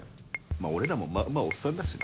俺らもまあまあおっさんだしな。